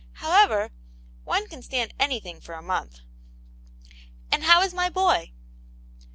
However, one can stand anything for a month." " And how is my boy